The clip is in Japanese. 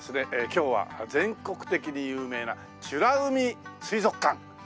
今日は全国的に有名な美ら海水族館ね。